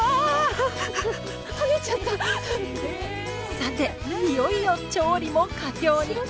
さていよいよ調理も佳境に。